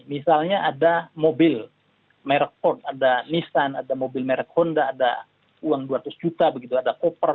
misalnya ada mobil merek port ada nissan ada mobil merek honda ada uang dua ratus juta begitu ada koper